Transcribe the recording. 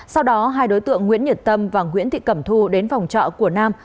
sau đó hai đối tượng nguyễn nhật tâm và nguyễn thị cẩm thu đến phòng trọ của nam